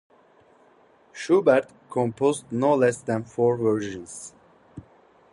Schubert composed no less than four versions.